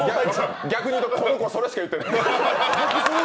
逆に言うと、ここ、それしか言ってない。